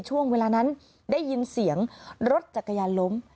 ช่วงเวลานั้นได้ยินเสียงรถจักรยานล้ม